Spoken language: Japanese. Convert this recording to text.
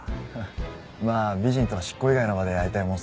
美人とは執行以外の場で会いたいもんですね。